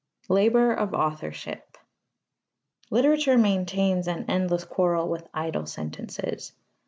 LABOUR OF AUTHORSHIP Literature maintains an endless quarrel with idle sentences.